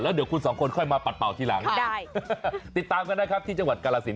เดี๋ยวคุณสองคนค่อยมาปัดเป่าทีหลังติดตามกันนะครับที่จังหวัดกาลสิน